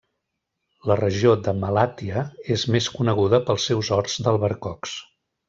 La regió de Malatya és més coneguda pels seus horts d'albercocs.